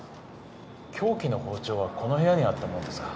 凶器の包丁はこの部屋にあったもんですか？